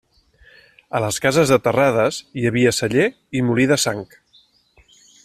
A les cases de Terrades hi havia celler i molí de sang.